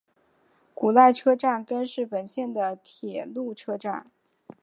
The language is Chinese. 古濑车站根室本线的铁路车站。